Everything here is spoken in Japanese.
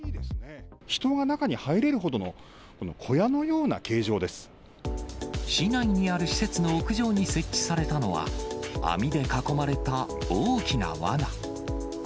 人が中に入れるほどのこの小市内にある施設の屋上に設置されたのは、網で囲まれた大きなわな。